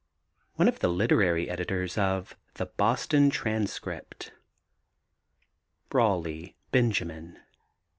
One of the literary editors of the Boston Transcript. BRAWLEY, BENJAMIN.